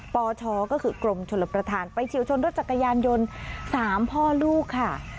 ปชก็คือกรมชลประธานไปเฉียวชนรถจักรยานยนต์๓พ่อลูกค่ะ